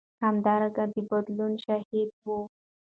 همدارنګه د بدلون شاهد و.